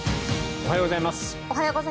おはようございます。